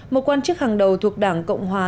một quan chức hàng đầu thuộc đảng cộng hòa